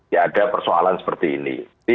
ya ada persoalan seperti ini